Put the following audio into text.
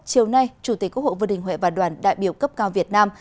chiều nay chủ tịch quốc hội vương đình huệ và đoàn đại biểu cấp cao việt nam